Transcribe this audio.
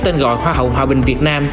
tên gọi hoa hậu hòa bình việt nam